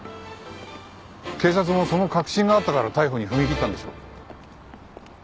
警察もその確信があったから逮捕に踏み切ったんでしょう？